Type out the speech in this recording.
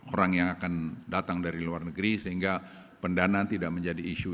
orang yang akan datang dari luar negeri sehingga pendanaan tidak menjadi isu